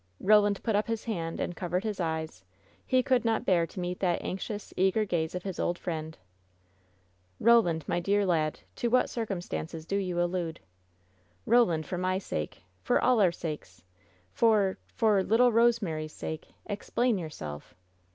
Roland put up his hand and covered his eyes; he could not bear to meet that anxious, eager gaze of his old friend. "Roland, my dear lad, to what circumstances do you WHEN SHADOWS DEE 95 allude? Roland, for my sake — for all our sakes — for — for — little Kosemary^s sake, explain yourself